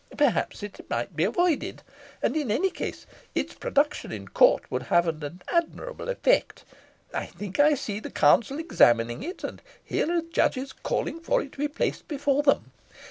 Perhaps it might be avoided; and in any case its production in court would have an admirable effect. I think I see the counsel examining it, and hear the judges calling for it to be placed before them.